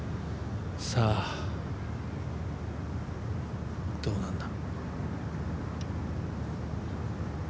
さあ、どうなんだ。